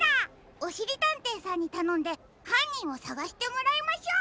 おしりたんていさんにたのんではんにんをさがしてもらいましょう！